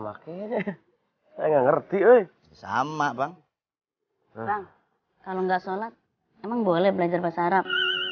makin saya nggak ngerti sama bang kalau nggak sholat emang boleh belajar bahasa arab